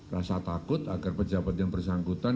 rasa takut agar pejabat yang bersangkutan